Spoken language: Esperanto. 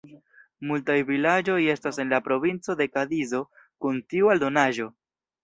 Multaj vilaĝoj estas en la Provinco de Kadizo kun tiu aldonaĵo.